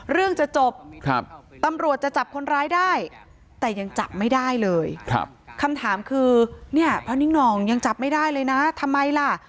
เรื่องจะจบตำรวจจะจับคนร้ายได้แต่ยังจับไม่ได้เลยคำถามคือเนี่ยพระนิ่งหน่องยังจับไม่ได้เลยนะทำไมล่ะ